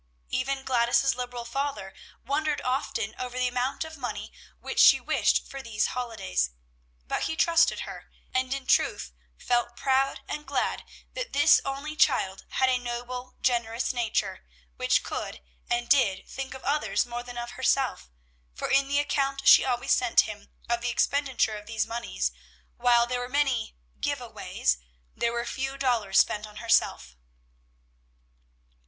Even Gladys's liberal father wondered often over the amount of money which she wished for these holidays; but he trusted her, and in truth felt proud and glad that this only child had a noble, generous nature, which could, and did, think of others more than of herself; for in the account which she always sent him of the expenditure of these moneys, while there were many "give aways," there were few dollars spent on herself.